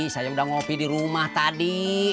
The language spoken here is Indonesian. saya udah ngopi di rumah tadi